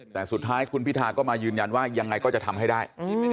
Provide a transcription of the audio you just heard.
แต่สุดท้ายคุณพิธาก็มายืนยันว่ายังไงก็จะทำให้ได้